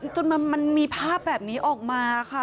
จนมันมีภาพแบบนี้ออกมาค่ะ